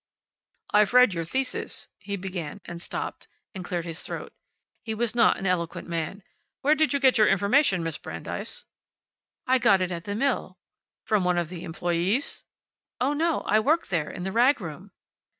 "I've read your thesis," he began, and stopped, and cleared his throat. He was not an eloquent man. "Where did you get your information, Miss Brandeis?" "I got it at the mill." "From one of the employees?" "Oh, no. I worked there, in the rag room."